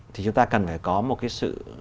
thì chúng ta cần phải có một cái sự